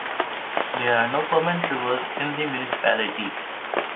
There are no permanent rivers in the municipality.